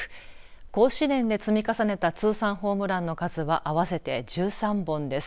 甲子園で積み重ねた通算ホームランの数は合わせて１３本です。